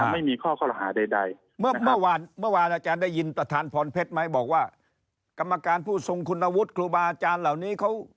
ไม่มีข้อคอลหาใด